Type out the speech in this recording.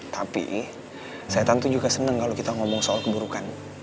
tapi setan tuh juga seneng kalau kita ngomong soal keburukan